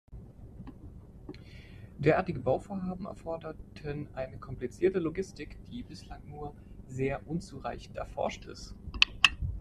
Derartige Bauvorhaben erforderten eine komplizierte Logistik, die bislang nur sehr unzureichend erforscht ist.